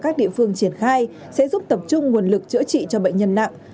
các địa phương triển khai sẽ giúp tập trung nguồn lực chữa trị cho bệnh nhân nặng